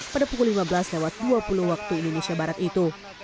pada pukul lima belas dua puluh waktu indonesia barat itu